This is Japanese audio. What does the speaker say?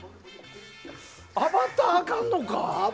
アバターあかんのか。